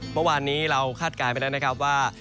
เมื่อวานนี้เราคาดกลายไปนะครับว่า